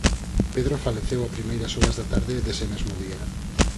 Pedro faleceu a primeiras horas da tarde dese mesmo día.